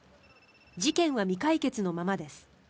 事件は未解決のままです。